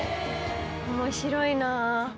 面白いな。